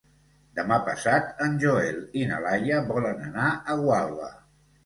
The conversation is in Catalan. Demà passat en Joel i na Laia volen anar a Gualba.